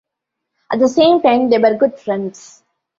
At the same time, they were good friends.